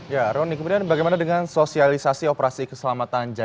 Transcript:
ya ronny kemudian bagaimana dengan sosialisasi operasi keselamatan jaya ini dan apa saja ya